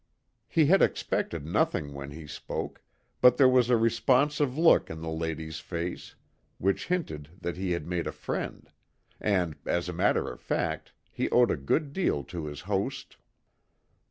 He had expected nothing when he spoke, but there was a responsive look in the lady's face which hinted that he had made a friend; and as a matter of fact, he owed a good deal to his host.